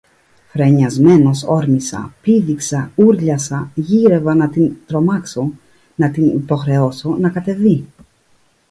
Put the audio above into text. Φρενιασμένος όρμησα, πήδηξα, ούρλιασα, γύρευα να την τρομάξω, να την υποχρεώσω να κατεβεί